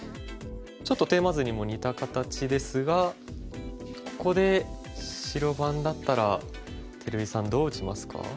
ちょっとテーマ図にも似た形ですがここで白番だったら照井さんどう打ちますか？